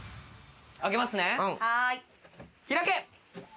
開けますね、開け。